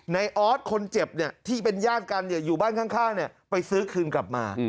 ในอ๊อสคนเจ็บเนี่ยที่เป็นญาติกันเนี่ยอยู่บ้านข้างเนี่ยไปซื้อคืนกลับมา